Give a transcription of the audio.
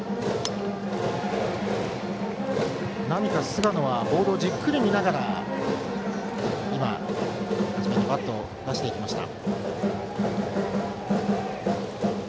菅野はボールをじっくり見ながら今、バットを出していきました。